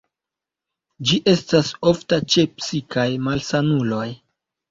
Ĝi estas ofta ĉe psikaj malsanuloj.